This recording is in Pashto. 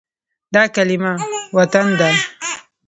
دا کلمه “وطن” ده.